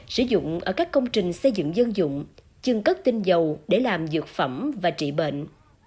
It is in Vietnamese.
sử dụng ở các công trình xây dựng dân dụng chưng cất tinh dầu để làm dược phẩm và trị bệnh